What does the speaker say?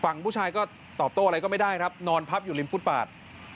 ผู้ชายก็ตอบโต้อะไรก็ไม่ได้ครับนอนพับอยู่ริมฟุตบาท